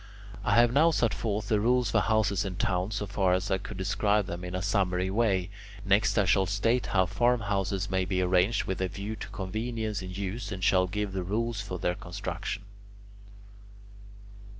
I have now set forth the rules for houses in town so far as I could describe them in a summary way. Next I shall state how farmhouses may be arranged with a view to convenience in use, and shall give the rules for their construction.